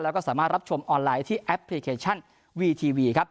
แล้วก็สามารถรับชมออนไลน์ที่แอปพลิเคชันวีทีวีครับ